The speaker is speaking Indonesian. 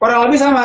kurang lebih sama